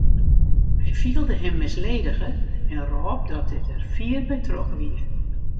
Hy fielde him misledige en rôp dat dit der fier by troch wie.